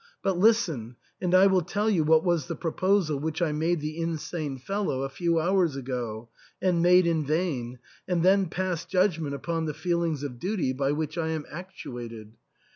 But listen, and I will tell you what was the proposal which I made the insane fellow a few hours ago, and made in vain, and then pass judgment upon the feel ings of duty by which I am actuated.